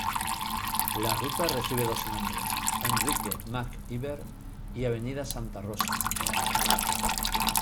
La ruta recibe dos nombres, Enrique Mac-Iver y Avenida Santa Rosa.